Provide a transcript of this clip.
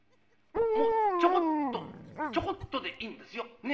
もうちょこっとちょこっとでいいんですよ。ね？